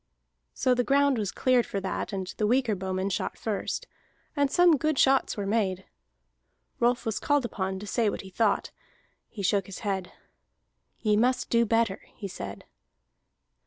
So the ground was cleared for that, and the weaker bowmen shot first, and some good shots were made. Rolf was called upon to say what he thought. He shook his head. "Ye must do better," he said.